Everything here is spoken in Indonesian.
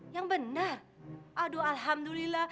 yang benar aduh alhamdulillah